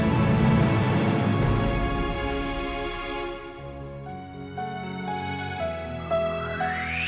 bu si bu sembuh